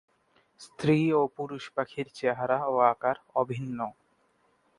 স্ত্রী ও পুরুষ পাখির চেহারা ও আকার অভিন্ন।